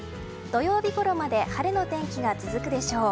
土曜日ごろまで晴れの天気が続くでしょう。